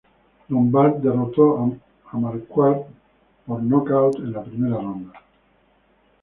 Lombard derrotó a Marquardt por nocaut en la primera ronda.